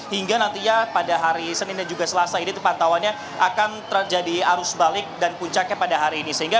hingga nantinya pada hari senin dan juga selasa ini pantauannya akan terjadi arus balik dan puncaknya pada hari ini